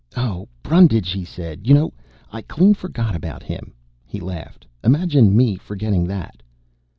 "Oh, Brundage!" he said. "You know, I clean forgot about him?" He laughed. "Imagine me forgetting that?"